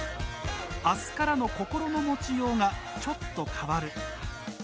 明日からの心の持ちようがちょっと変わる。